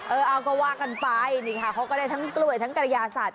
เออเอาก็ว่ากันไปนี่ค่ะเขาก็ได้ทั้งกล้วยทั้งกระยาศาสต